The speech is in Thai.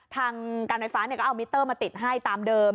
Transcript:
ทางการไฟฟ้าก็เอามิเตอร์มาติดให้ตามเดิม